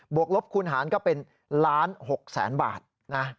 บวกลบคูณหารก็เป็น๑๖๐๐๐๐๐บาทนะ